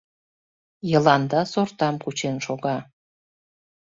Йыланда сортам кучен шога.